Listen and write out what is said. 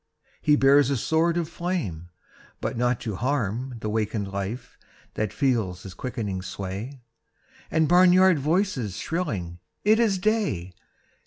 He bears a sword of flame but not to harm The wakened life that feels his quickening sway And barnyard voices shrilling "It is day!"